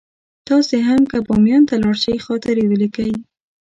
تاسې هم که بامیان ته لاړئ خاطرې ولیکئ.